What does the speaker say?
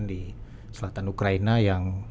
di selatan ukraina yang